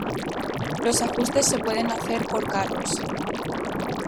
Los ajustes se pueden hacer por carros.